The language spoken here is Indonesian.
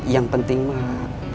yang penting mah